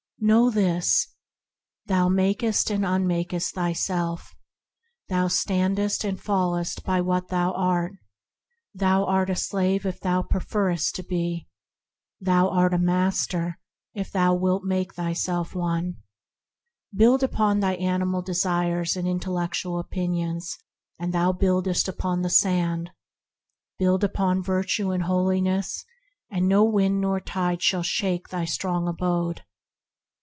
Know this: Thou makest and unmakest thyself; thou standest and fallest by what thou art. Thou art a slave if thou preferrest to be; thou art a master if thou wilt make thyself one. Build upon thine animal desires 114 THE HEAVENLY LIFE and intellectual opinions, and thou buildest upon the sand; build upon Virtue and Holiness, and no wind nor tide shall shake thy strong abode.